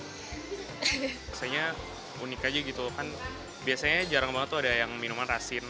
rasanya unik aja gitu kan biasanya jarang banget tuh ada yang minuman rasin